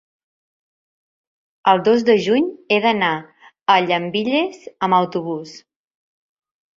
el dos de juny he d'anar a Llambilles amb autobús.